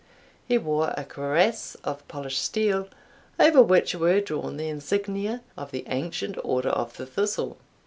He wore a cuirass of polished steel, over which were drawn the insignia of the ancient Order of the Thistle.